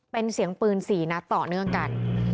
เป็นเสียงปืน๔นัดต่อเนื่องกัน